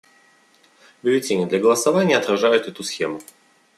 Бюллетени для голосования отражают эту схему.